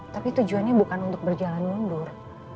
tapi tujuannya bukan untuk berjalan mundur